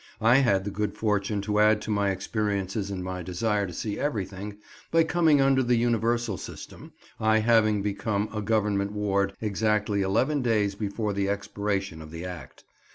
I had the good fortune to add to my experiences and my desire to see everything, by coming under the universal system, I having become a Government ward exactly eleven days before the expiration of the Act.